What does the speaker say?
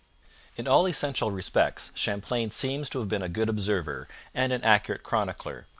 In all essential respects Champlain seems to have been a good observer and an accurate chronicler.